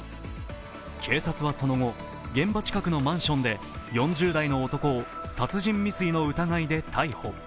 警察はその後、現場近くのマンションで４０代の男を殺人未遂の疑いで逮捕。